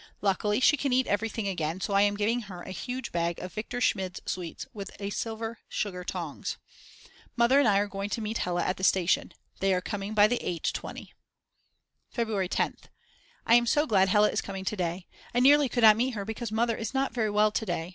Luckily she can eat everything again so I am giving her a huge bag of Viktor Schmid's sweets with a silver sugar tongs. Mother and I are going to meet Hella at the station. They are coming by the 8.20. February 10th. I am so glad Hella is coming to day. I nearly could not meet her because Mother is not very well to day.